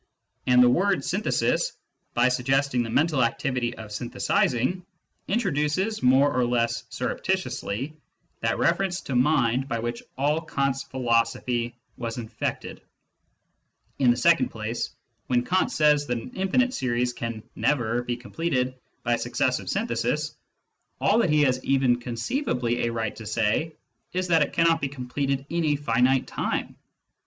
And the word "synthesis," by suggesting the mental activity of synthesising, introduces, more or less surreptitiously, that reference to mind by which all Kant's philosophy was infected. In the second place, when Kant says that Digitized by Google THE PROBLEM OF INFINITY 157 an infinite series can " never " be completed by successive synthesis, all that he has even conceivably a right to say is that it cannot be completed in a finite time.